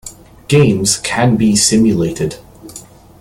Games can be simulated.